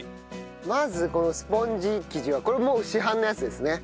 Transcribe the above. まずこのスポンジ生地はこれもう市販のやつですね。